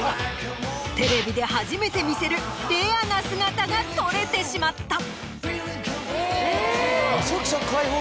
テレビで初めて見せるレアな姿が撮れてしまった。